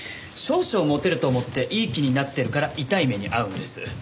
少々モテると思っていい気になってるから痛い目に遭うんです。